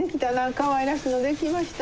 かわいらしいの出来ました。